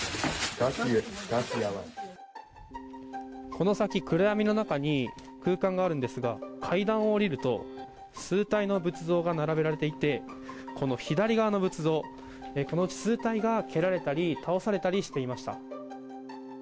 この先、暗闇の中に空間があるんですが階段を下りると数体の仏像が並べられていて左側の仏像、このうち数体が蹴られたり倒されたりしていました。